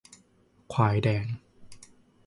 ควายแดง